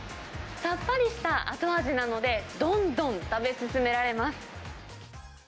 さっぱりした後味なので、どんどん食べ進められます。